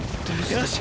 よし！